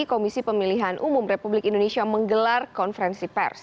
komisi pemilihan umum republik indonesia menggelar konferensi pers